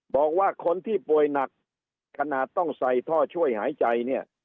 บอกว่าคนที่ป่วยหนักขนาดต้องใส่ท่อช่วยหายใจเนี่ย